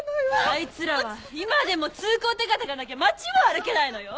あいつらは今でも通行手形がなきゃ街も歩けないのよ。